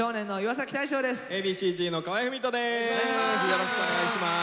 よろしくお願いします。